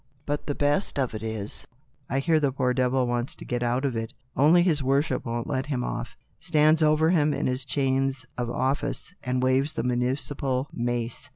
But the best of it is, I hear the poor devil wants to get out of it, only his worship won't let him off. Stands over him in his chains of office and waves the municipal mace.